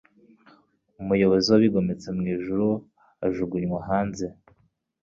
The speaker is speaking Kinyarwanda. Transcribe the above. umuyobozi w'abigometse mw'ijuru, ajugunywa hanze.